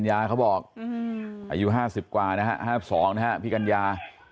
อายุห้าสิบกว่านะฮะห้าสิบสองนะฮะพี่กัญญา